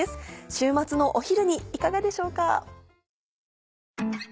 週末のお昼にいかがでしょうか。